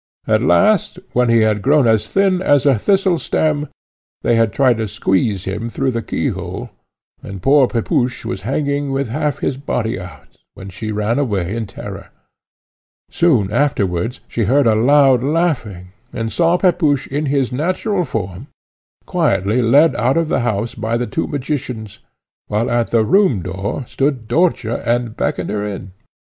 At last, when he had grown as thin as a thistle stem, they had tried to squeeze him through the keyhole, and the poor Pepusch was hanging with half his body out, when she ran away in terror. Soon afterwards she heard a loud laughing, and saw Pepusch in his natural form, quietly led out of the house by the two magicians, while at the room door stood Dörtje and beckoned her in.